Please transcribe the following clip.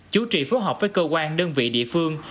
chú trị phối hợp với cơ quan đơn vị địa phương